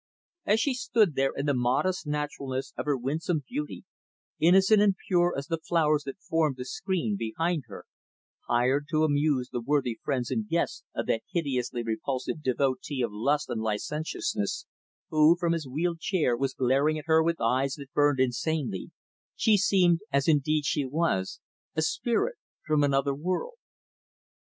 As she stood there in the modest naturalness of her winsome beauty innocent and pure as the flowers that formed the screen behind her; hired to amuse the worthy friends and guests of that hideously repulsive devotee of lust and licentiousness who, from his wheeled chair, was glaring at her with eyes that burned insanely she seemed, as indeed she was, a spirit from another world.